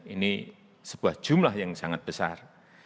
ini sebuah jumlah yang sangat besar